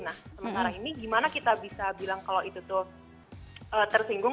nah sementara ini gimana kita bisa bilang kalau itu tuh tersinggung